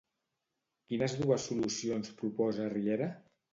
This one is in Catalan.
Quines dues solucions proposa Riera?